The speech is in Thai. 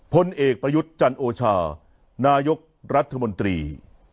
พลเอกประยุทธ์จันโอชานายกรัฐมนตรี